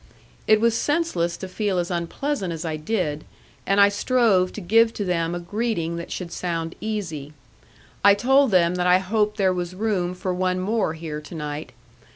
It was senseless to feel as unpleasant as I did, and I strove to give to them a greeting that should sound easy. I told them that I hoped there was room for one more here to night.